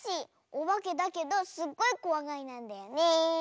オバケだけどすっごいこわがりなんだよね。